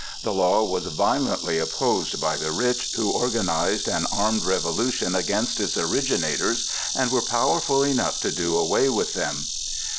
The law was violently opposed by the rich, who organized an armed revolution against its originators and were powerful enough to do away with them.